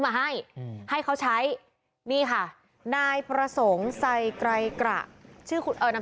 มาให้ให้เขาใช้นี่ค่ะนายประสงค์ใส่กลายกระชื่อคุณนาม